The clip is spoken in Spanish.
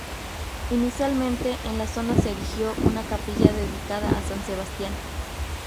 Inicialmente en la zona se erigió una capilla dedicada a San Sebastian.